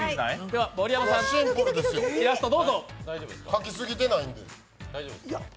描きすぎてないんで。